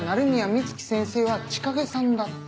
美月先生は千景さんだった。